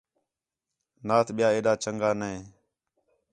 نات ٻِیا ایݙا چَنڳا نے